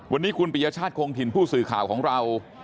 วันนี้คุณปริยชาติคงถิ่นผู้สื่อข่าวของเรา